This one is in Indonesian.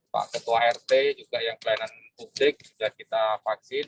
pak ketua rt juga yang pelayanan publik sudah kita vaksin